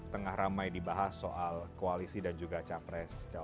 tengah ramai dibahas soal koalisi dan juga capres